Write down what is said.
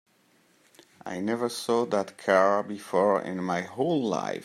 I never saw that car before in my whole life.